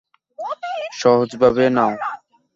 সহজ ভাবে নাও!